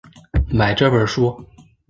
买这本书